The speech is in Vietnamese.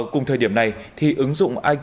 cùng thời điểm này thì ứng dụng iq air